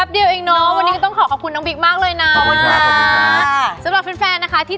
เออแล้วก็เอาเลยถ่ายเลยทั้งวัน